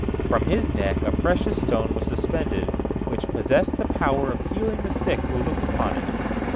From his neck a precious stone was suspended, which possessed the power of healing the sick who looked upon it.